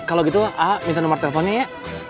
kalau gitu aa minta nomor teleponnya ya